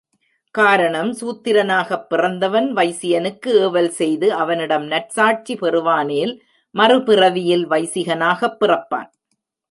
காரணம், சூத்திரனாகப் பிறந்தவன் வைசியனுக்கு ஏவல் செய்து அவனிடம் நற்சாட்சிப் பெறுவானேல், மறுபிறவியில் வைசிகனாகப் பிறப்பான்.